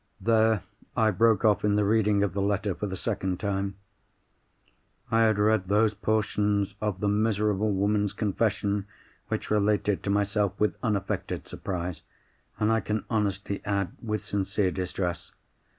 There, I broke off in the reading of the letter for the second time. I had read those portions of the miserable woman's confession which related to myself, with unaffected surprise, and, I can honestly add, with sincere distress.